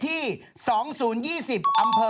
เต๋อง้อยขาวขนาดนั้นล่ะเธอ